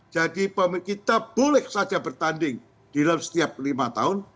jadi kita boleh saja bertanding dalam setiap lima tahun